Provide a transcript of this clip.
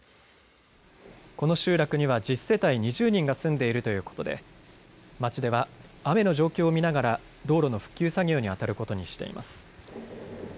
この集落には１０世帯２０人が住んでいるということで町では雨の状況を見ながら道路の復旧作業にあたることにしています。